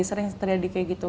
sering terjadi kayak gitu